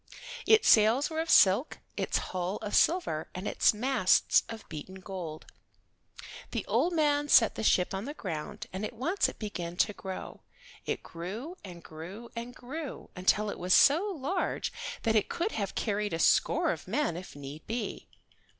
Its sails were of silk, its hull of silver, and its masts of beaten gold. The old man set the ship on the ground, and at once it began to grow. It grew and grew and grew, until it was so large that it could have carried a score of men if need be.